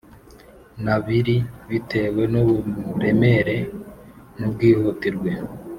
N abiri bitewe n uburemere n ubwihutirwe